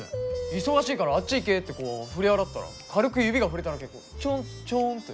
忙しいからあっち行けってこう振り払ったら軽く指が触れただけでこうちょんちょんって。